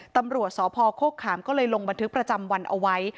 ตำรวจสพโคกขามก็เลยลงบันทึกประจำวันเอาไว้